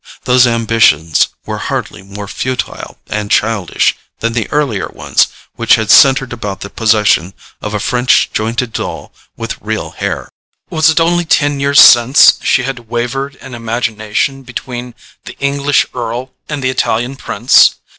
Those ambitions were hardly more futile and childish than the earlier ones which had centred about the possession of a French jointed doll with real hair. Was it only ten years since she had wavered in imagination between the English earl and the Italian prince?